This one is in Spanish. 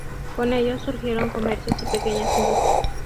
Con ellos surgieron comercios y pequeñas industrias.